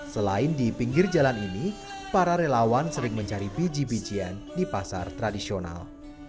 selain di pinggir jalan ini para relawan sering mencari biji bijian di pasar tradisional